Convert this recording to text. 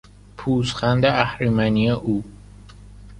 پوزخند اهریمنی او